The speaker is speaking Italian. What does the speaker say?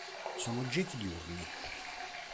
Sono gechi diurni.